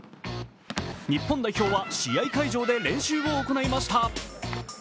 日本代表は試合会場で練習を行いました。